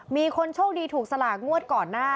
มีคนโชคดีถูกสลากงวดก่อนหน้า